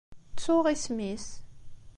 Ttuɣ isem-is.